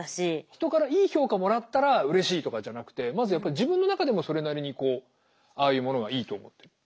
人からいい評価もらったらうれしいとかじゃなくてまずやっぱり自分の中でもそれなりにああいうものがいいと思ってる？